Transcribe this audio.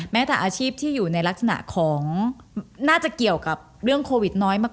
จากอาชีพที่อยู่ในลักษณะของน่าจะเกี่ยวกับเรื่องโควิดน้อยมาก